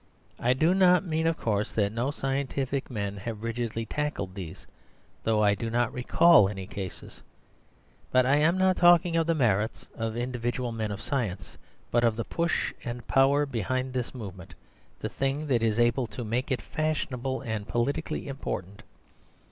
I do not mean, of course, that no scientific men have rigidly tackled these, though I do not recall any cases. But I am not talking of the merits of individual men of science, but of the push and power behind this movement, the thing that is able to make it fashionable and politically important.